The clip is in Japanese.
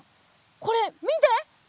これ見て！